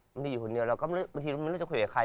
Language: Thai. บางทีอยู่คนเดียวเราก็บางทีเราไม่รู้จะคุยกับใคร